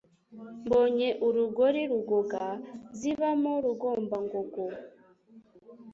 Mbonye urugori rugoga, Zibamo Rugombangogo,